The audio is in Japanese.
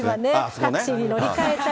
タクシーに乗り換えたり。